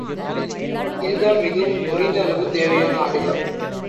இதுதான் மிகவும் குறைந்த அளவு தேவையான ஆடையாகும்.